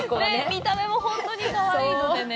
見た目も本当にかわいいのでね。